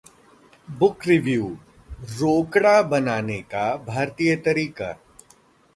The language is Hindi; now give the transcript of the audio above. बुक रिव्यू: 'रोकड़ा' बनाने का भारतीय तरीका